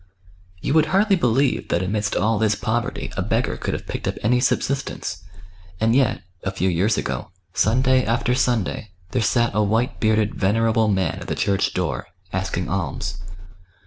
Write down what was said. You would hardly believe that amidst all this poverty a beggar could have picked up any subsistence, and yet, a few years ago, Sunday after Sunday, there sat a white bearded venerable man at the church door, asking alms.